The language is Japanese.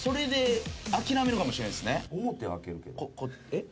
えっ？